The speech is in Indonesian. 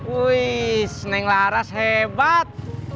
wih neng laras hebat